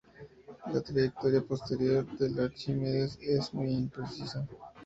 La trayectoria posterior del "Archimedes" es muy imprecisa.